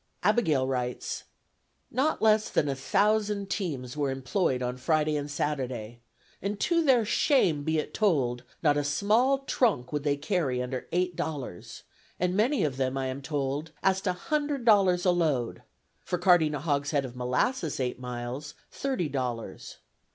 Abigail writes: "Not less than a thousand teams were employed on Friday and Saturday; and, to their shame be it told, not a small trunk would they carry under eight dollars, and many of them, I am told, asked a hundred dollars a load; for carting a hogshead of molasses eight miles, thirty dollars.